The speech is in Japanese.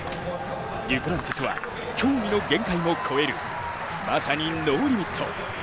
デュプランティスは競技の限界も超える、まさにノーリミット。